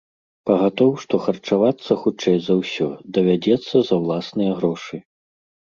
Пагатоў, што харчавацца, хутчэй за ўсё, давядзецца за ўласныя грошы.